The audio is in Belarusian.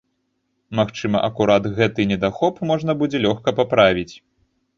Магчыма, акурат гэты недахоп можна будзе лёгка паправіць.